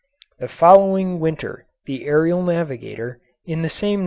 ] The following winter the aerial navigator, in the same No.